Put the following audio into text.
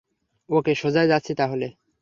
ওকে, সোজাই যাচ্ছি তাহলে।